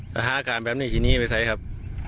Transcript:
ศาภาการแบบนี้ทีนี้ไปใส้ครับ